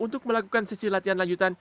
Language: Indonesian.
untuk melakukan sesi latihan lanjutan